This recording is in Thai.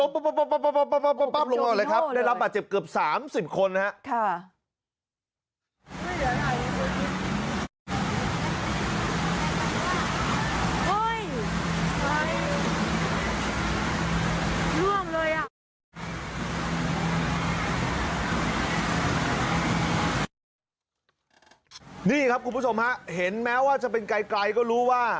บังคับกว่านี้ลบป้ะลงมาเลยครับ